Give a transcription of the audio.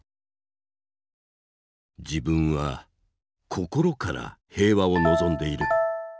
自分は心から平和を望んでいる。